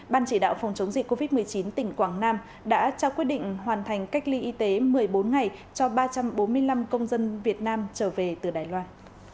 ban chỉ đạo phòng chống dịch covid một mươi chín tỉnh quảng nam đã trao quyết định hoàn thành cách ly y tế một mươi bốn ngày cho ba trăm bốn mươi năm công dân việt nam trở về từ đài loan